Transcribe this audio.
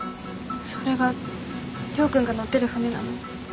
それが亮君が乗ってる船なの？